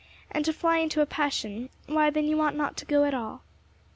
And to fly into a passion why, then you ought not to go at all."